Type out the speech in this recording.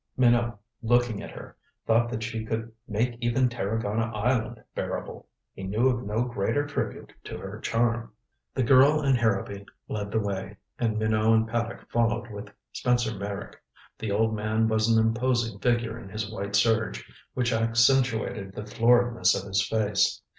Minot, looking at her, thought that she could make even Tarragona Island bearable. He knew of no greater tribute to her charm. The girl and Harrowby led the way, and Minot and Paddock followed with Spencer Meyrick. The old man was an imposing figure in his white serge, which accentuated the floridness of his face.